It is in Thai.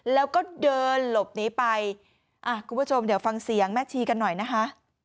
แล้วก็เดินหลบหนีไปอ่ะคุณผู้ชมเดี๋ยวฟังเสียงแม่ชีกันหน่อยนะคะ